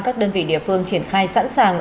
các đơn vị địa phương triển khai sẵn sàng